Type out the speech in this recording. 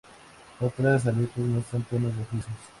Otras aletas muestran tonos rojizos.